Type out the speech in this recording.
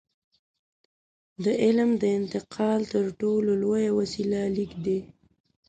د علم د انتقال تر ټولو لویه وسیله لیک ده.